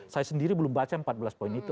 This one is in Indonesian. saya sendiri belum baca empat belas poin itu